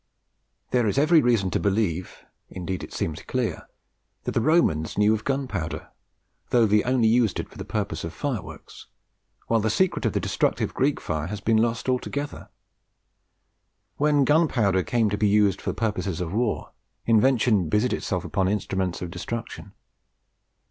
There is every reason to believe indeed it seems clear that the Romans knew of gunpowder, though they only used it for purposes of fireworks; while the secret of the destructive Greek fire has been lost altogether. When gunpowder came to be used for purposes of war, invention busied itself upon instruments of destruction.